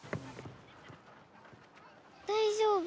大丈夫？